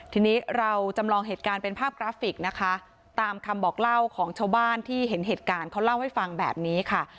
ทีนี้เราจำลองเหตุการณ์เป็นภาพกราฟิกนะคะตามคำบอกเล่าของชาวบ้านที่เห็นเหตุการณ์เขาเล่าให้ฟังแบบนี้ค่ะ